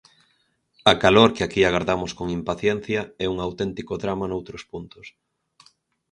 A calor que aquí agardamos con impaciencia é un auténtico drama noutros puntos.